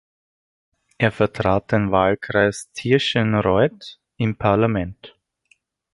Er vertrat den Wahlkreis Tirschenreuth im Parlament.